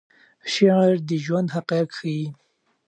شعر د ژوند حقایق ښیي.